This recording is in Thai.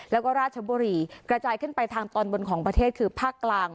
แล้วก็ราชบุรีกระจายขึ้นไปทางตอนบนของประเทศคือภาคกลาง